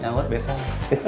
ya buat besan